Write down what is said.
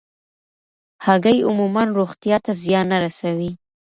هګۍ عموماً روغتیا ته زیان نه رسوي.